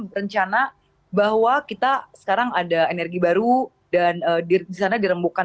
berencana bahwa kita sekarang ada energi baru dan di sana dirembukan